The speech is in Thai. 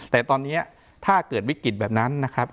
แต่ตอนนี้ถ้าเกิดวิกฤตแบบนั้นนะครับ